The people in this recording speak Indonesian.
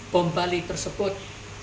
bom bali tersebut